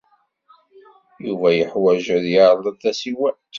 Yuba yeḥwaj ad d-yerḍel tasiwant.